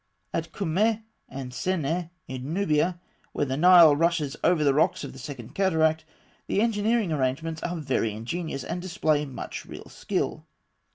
At Kûmmeh and Semneh, in Nubia, where the Nile rushes over the rocks of the second cataract, the engineering arrangements are very ingenious, and display much real skill.